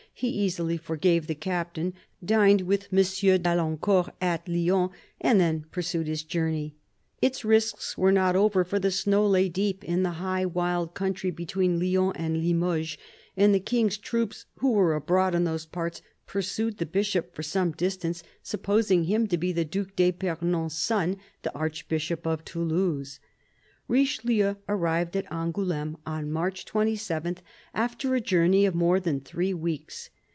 He easily forgave the captain, dined with M. d'Alincourt at Lyons, and then pursued his journey. Its risks were not over, for the snow lay deep in the high wild country between Lyons and Limoges, and the King's troops, who were abroad in those parts, pursued the Bishop for some distance, supposing him to be the Due d'Epernon's son, the Archbishop of Toulouse. Richelieu arrived at Angouleme on March 27, after a journey of more than three weeks.